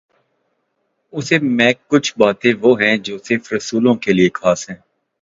اس میںکچھ باتیں وہ ہیں جو صرف رسولوں کے لیے خاص ہیں۔